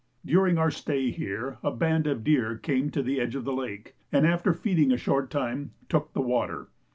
During our stay here a band of deer came to the edge of the lake, and after feeding a short time took the water.